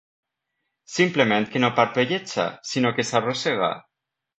Simplement que no parpelleja, sinó que s'arrossega.